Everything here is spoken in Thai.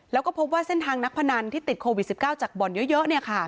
แล้วก็พบว่าเส้นทางนักพนันที่ติดโควิดสิบเก้าจากบ่อนเยอะเยอะเนี่ยค่ะ